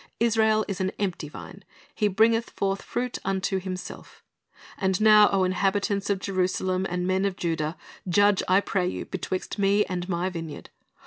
'Tsrael is an empty vine, he bringeth forth fruit unto himself"^ "And now, O inhabitants of Jerusalem, and men of Judah, judge, I pray you, betwixt Me and My vineyard.